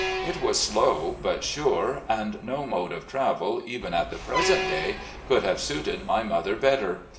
It was slow but sure, and no mode of travel, even at the present day, could have suited my mother better.